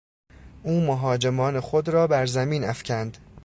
او مهاجمان خود را بر زمین افکند.